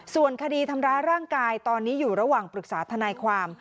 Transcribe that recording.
ส่วนคดีทำร้ายร่างกายตอนนี้อยู่ระหว่างปรึกษาทนายความ